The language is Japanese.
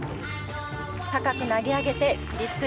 高く投げ上げてリスク。